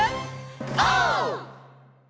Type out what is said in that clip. オー！